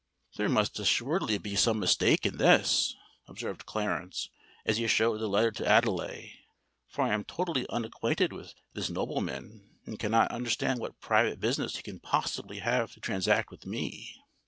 "There must assuredly be some mistake in this," observed Clarence, as he showed the letter to Adelais, "for I am totally unacquainted with this nobleman, and cannot understand what private business he can possibly have to transact with me.